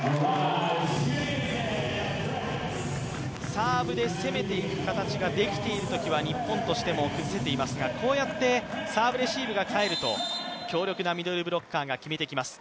サーブで攻めていく形ができているときは日本としても崩せていますがこうやってサーブレシーブが返ると、強力なミドルブロッカーが決めてきます。